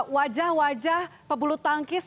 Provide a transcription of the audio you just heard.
wajah wajah pebulu tangkis